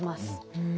うん。